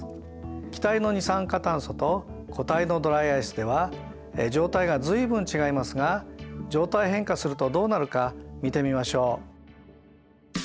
気体の二酸化炭素と固体のドライアイスでは状態が随分違いますが状態変化するとどうなるか見てみましょう。